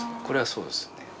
これはそうですね。